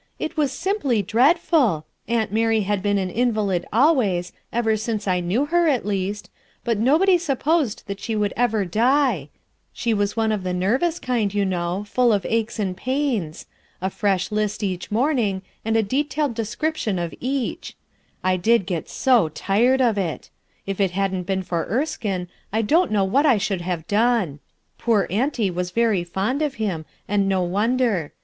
"It was simply dreadful I Aunt Mary had been an 12S RUTH ERSKINE'S SON invalid always, — ever since I knew her, at least, — but nobody supposed that she would ever die She was one of the nervous kind, you know , full of aches and pains; a fresh list each morn ing, and a detailed description of each, I did get so tired of it I If it hadn't been for Erskinc,! don't know what I should have done. Poor auntie was very fond of him, and no wonder.